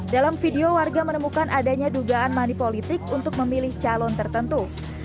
dalam video warga menemukan adanya dugaan money politik untuk memilih calon tertentu